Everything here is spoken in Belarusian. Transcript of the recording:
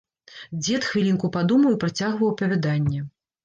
Дзед хвілінку падумаў і працягваў апавяданне.